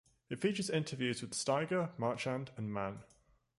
It features interviews with Steiger, Marchand and Mann.